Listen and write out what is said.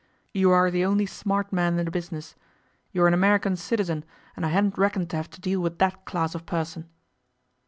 You are the only smart man in the business. You are an American citizen, and I hadn't reckoned to have to deal with that class of person.